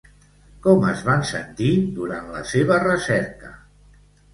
Com es va sentir durant la seva recerca?